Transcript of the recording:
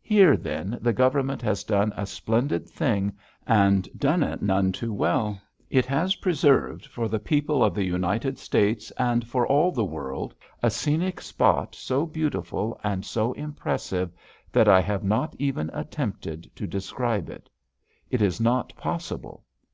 Here, then, the Government has done a splendid thing and done it none too well. It has preserved for the people of the United States and for all the world a scenic spot so beautiful and so impressive that I have not even attempted to describe it. It is not possible.